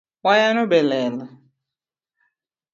Wayano be lelo